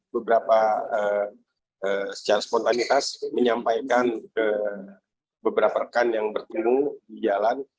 beberapa secara spontanitas menyampaikan ke beberapa rekan yang bertemu di jalan